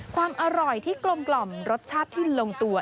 ความอร่อยที่กลมรสชาติที่ลงตัว